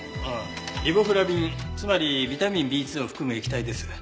リボフラビンつまりビタミンＢ２を含む液体です。